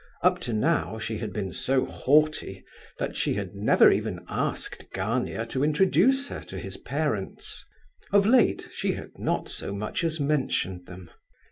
Up to now she had been so haughty that she had never even asked Gania to introduce her to his parents. Of late she had not so much as mentioned them.